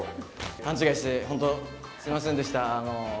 勘違いして、ほんとすみませんでした。